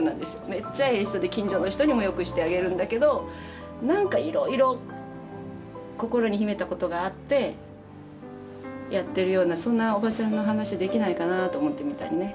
めっちゃええ人で近所の人にも良くしてあげるんだけど何かいろいろ心に秘めたことがあってやっているようなそんなおばちゃんの話できないかなと思ってみたりね。